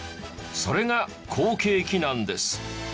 それが好景気なんです。